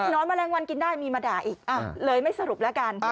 แมลงวันกินได้มีมาด่าอีกเลยไม่สรุปแล้วกัน